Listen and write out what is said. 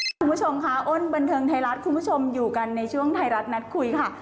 คุณผู้ชมค่ะอ้นบันเทิงไทยรัฐคุณผู้ชมอยู่กันในช่วงไทยรัฐนัดคุยค่ะ